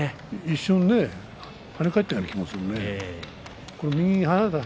一瞬、跳ね返ったような感じもするね。